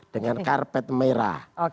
dengan karpet merah